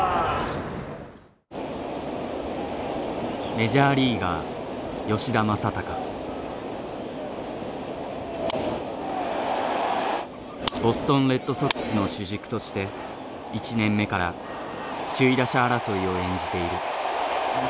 メジャーリーガーボストンレッドソックスの主軸として１年目から首位打者争いを演じている。